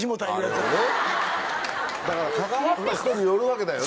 だから関わった人によるわけだよね。